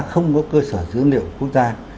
không có cơ sở dưỡng liệu quốc gia